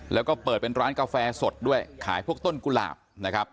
แล้วก็เปิดเป็นร้านกาแฟสดด้วยขายพวกต้นกุหลาบนะครับ